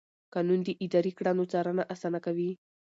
قانون د اداري کړنو څارنه اسانه کوي.